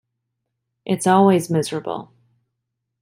It's always miserable.